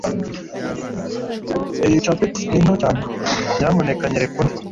Iyi capeti ni nto cyane. Nyamuneka nyereka undi.